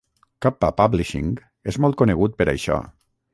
Kappa Publishing és molt conegut per això.